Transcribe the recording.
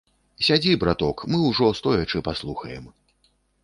Сядзі, браток, мы ўжо стоячы паслухаем.